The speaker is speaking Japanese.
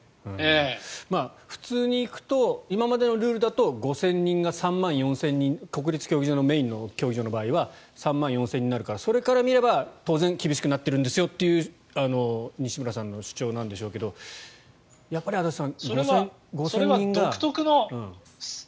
普通に行くと今までのルールで行くと５０００人が３万４０００人国立競技場がメインの会場の場合は３万４０００人になるからそれから見たら当然厳しくなっているんですよという西村さんの主張なんでしょうけどやっぱり足立さん